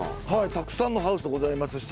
たくさんのハウスがございますし。